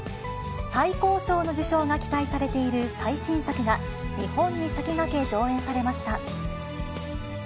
最高賞の受賞が期待されている最新作が日本に先駆け上映されました。